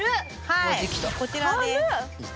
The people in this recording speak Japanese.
はいこちらです